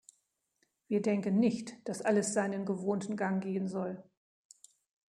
Wir denken nicht, dass alles seinen gewohnten Gang gehen soll.